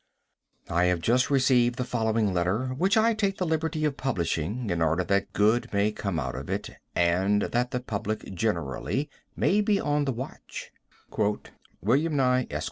I have just received the following letter, which I take the liberty of publishing, in order that good may come out of it, and that the public generally may be on the watch: William Nye, Esq.